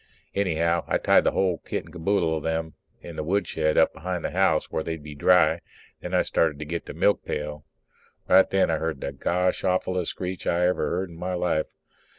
Anyhow, I tied the whole kit and caboodle of them in the woodshed up behind the house, where they'd be dry, then I started to get the milkpail. Right then I heard the gosh awfullest screech I ever heard in my life.